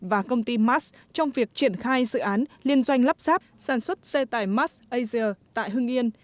và công ty mas trong việc triển khai dự án liên doanh lắp sáp sản xuất xe tải mars asia tại hưng yên